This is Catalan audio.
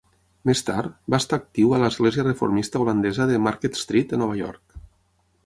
Més tard, va estar actiu a l'església reformista holandesa de Market Street a Nova York.